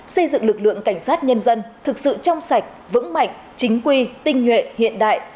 xây dựng lực lượng cảnh sát nhân dân thực sự trong sạch vững mạnh chính quy tinh nhuệ hiện đại